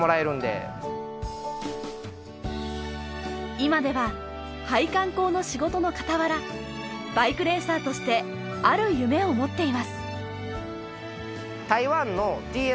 今では配管工の仕事の傍らバイクレーサーとしてある夢を持っています。